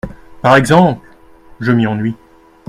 Par exemple !… Je m'y ennuie.